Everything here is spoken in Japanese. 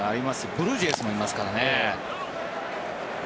ブルージェイズもいますからね。